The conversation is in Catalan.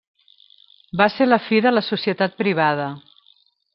Va ser la fi de la societat privada.